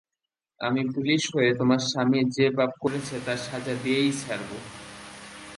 আমি পুলিশ হয়ে তোমার স্বামী যে পাপ করেছে তার সাজা দিয়েই ছাড়বো।